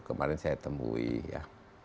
kemarin saya temui ya